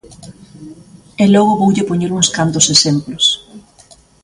E logo voulle poñer uns cantos exemplos.